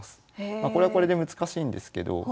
これはこれで難しいんですけど。